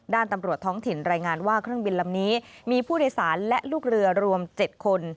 ด้านตำรวจท้องถิ่นรายงานว่าเครื่องบินลำนี้มีผู้โดยสารและลูกเรือรวม๗คน